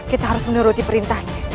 kita harus menuruti perintahnya